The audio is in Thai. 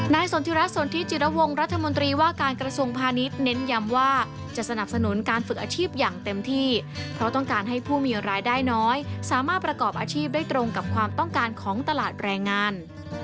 สนทิรัฐสนทิจิระวงรัฐมนตรีว่าการกระทรวงพาณิชย์เน้นย้ำว่าจะสนับสนุนการฝึกอาชีพอย่างเต็มที่เพราะต้องการให้ผู้มีรายได้น้อยสามารถประกอบอาชีพได้ตรงกับความต้องการของตลาดแรงงาน